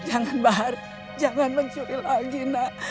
jangan bahar jangan mencuri lagi nak